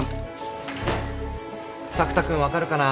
朔太君分かるかな？